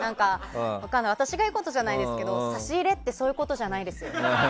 私が言うことじゃないですけど差し入れってそういうことじゃないですよ。